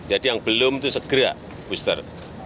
jadi yang belum itu segera booster